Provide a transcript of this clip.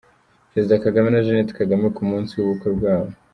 Perezida Kagame na Jeannette Kagame ku munsi w'ubukwe bwabo.